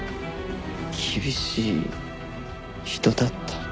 厳しい人だった。